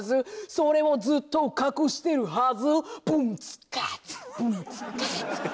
それをずっと隠してるはず」